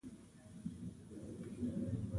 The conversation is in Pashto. دا ډېره اسانه ده چې چاته ماتې ورکړو.